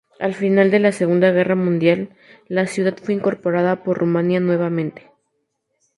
Al final de la Segunda Guerra Mundial, la ciudad fue incorporada por Rumania nuevamente.